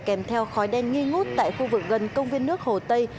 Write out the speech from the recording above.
kèm theo khói đen nghi ngút tại khu vực gần công viên nước hồ tây